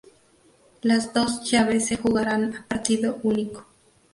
Las dos llaves se jugarán a partido único.